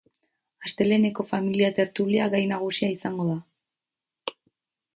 Asteleheneko familia tertulia gai nagusia izango da.